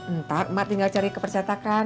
entar emak tinggal cari kepercetakan